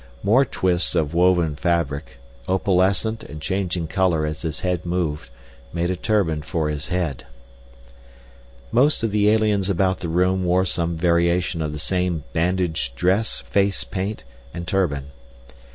More twists of woven fabric, opalescent and changing color as his head moved, made a turban for his head. Most of the aliens about the room wore some variation of the same bandage dress, face paint, and turban.